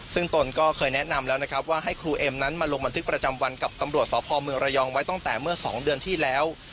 ซึ่งตนก็เคยแนะนำแล้วนะครับว่าให้ครูเอ็มนั้นมาลงบันทึกประจำวันกับตำรวจสพเมืองระยองไว้ตั้งแต่เมื่อ๒เดือนที่แล้ว